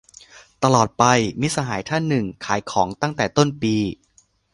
ตลอดไป - มิตรสหายท่านหนึ่ง ขายของตั้งแต่ต้นปี